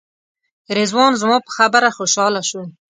رضوان زما په خبره خوشاله شو.